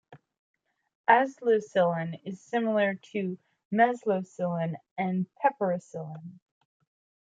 Azlocillin is similar to mezlocillin and piperacillin.